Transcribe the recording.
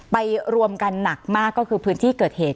ไปรวมกันหนักมากของพื้นที่เกิดเหตุ